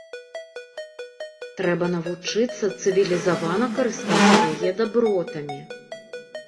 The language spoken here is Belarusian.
Трэба навучыцца цывілізавана карыстацца яе дабротамі.